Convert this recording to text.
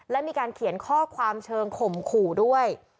และมีการเขียนข้อความเชิงข่มขู่ด้วย